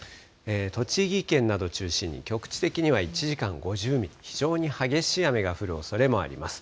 栃木県などを中心に局地的には１時間５０ミリ、非常に激しい雨が降るおそれもあります。